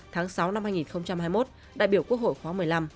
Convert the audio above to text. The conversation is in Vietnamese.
tháng sáu năm hai nghìn hai mươi một đại biểu quốc hội khóa một mươi năm